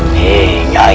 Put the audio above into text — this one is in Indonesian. hamba harus mencuci